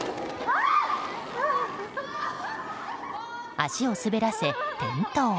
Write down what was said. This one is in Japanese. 足を滑らせ、転倒。